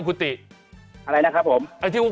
คุณติเล่าเรื่องนี้ให้ฮะ